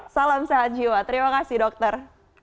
salam sehat jiwa terima kasih dokter